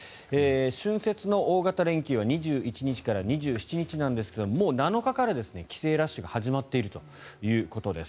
春節の大型連休は２１日から２７日なんですがもう７日から帰省ラッシュが始まっているということです。